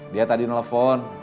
dia tadi telepon